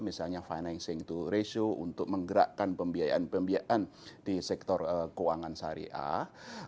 managing to ratio untuk menggerakkan pembiayaan pembiayaan di sektor keuangan syariah